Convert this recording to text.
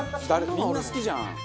みんな好きじゃん。